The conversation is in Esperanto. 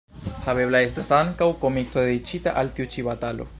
Havebla estas ankaŭ komikso dediĉita al tiu ĉi batalo.